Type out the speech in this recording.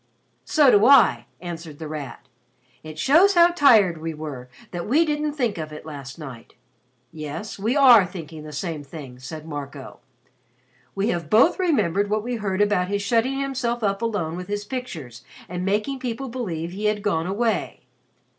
"So do I," answered The Rat. "It shows how tired we were that we didn't think of it last night." "Yes, we are thinking the same thing," said Marco. "We have both remembered what we heard about his shutting himself up alone with his pictures and making people believe he had gone away."